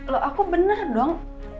loh aku bener dong